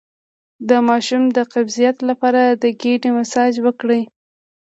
د ماشوم د قبضیت لپاره د ګیډې مساج وکړئ